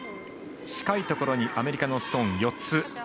近いところにアメリカのストーン、４つ。